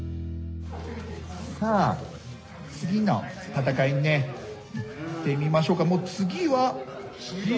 さあ次の戦いにいってみましょうか。